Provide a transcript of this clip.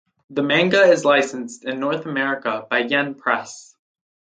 The manga is licensed in North America by Yen Press.